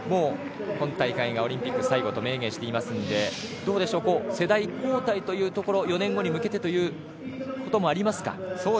今大会がオリンピック最後と明言していますのでどうでしょう、世代交代４年後に向けてということもありますか？